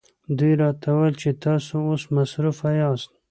دوی راته وویل چې تاسو اوس مصروفه یاست.